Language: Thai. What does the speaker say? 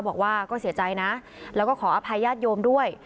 บอกว่าก็เสียใจนะแล้วก็ขออภัยญาติโยมด้วย